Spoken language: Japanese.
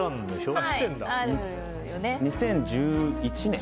２０１１年？